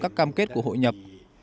các cam kết của hội nhập